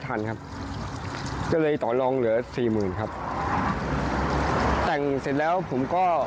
ทันครับก็เลยต่อลองเหลือสี่หมื่นครับแต่งเสร็จแล้วผมก็